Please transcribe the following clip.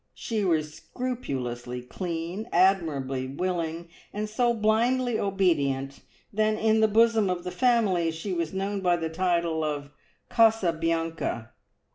She was scrupulously clean, admirably willing, and so blindly obedient that in the bosom of the family she was known by the title of "Casabianca."